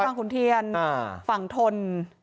ขุนเทียนฝั่งทน